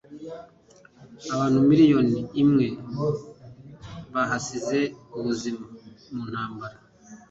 abantu miliyoni imwe bahasize ubuzima mu ntambara